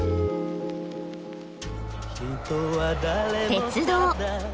鉄道。